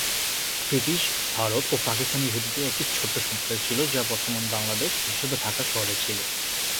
British Bharat ও পাকিস্তানের ইহুদিদের একটি ছোট সম্প্রদায় ছিল যা বর্তমান বাংলাদেশ, বিশেষত ঢাকা শহরে ছিল।